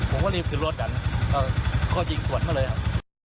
ผมก็รีบถึงรถกันเขายิงสวนเข้าเลยครับ